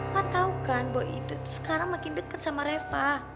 ma tau kan boy itu sekarang makin deket sama reva